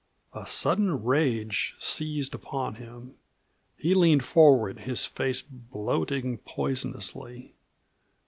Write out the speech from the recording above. A sudden rage seized upon him; he leaned forward, his face bloating poisonously.